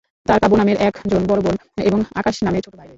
তার কাব্য নামের একজন বড়ো বোন এবং আকাশ নামের ছোটো ভাই রয়েছে।